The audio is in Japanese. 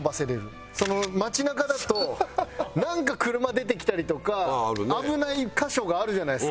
街なかだとなんか車出てきたりとか危ない箇所があるじゃないですか。